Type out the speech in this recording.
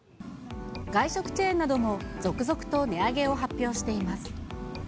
外食チェーンなども続々と値上げを発表しています。